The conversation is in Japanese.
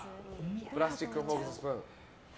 プラスチックフォーク、スプーン。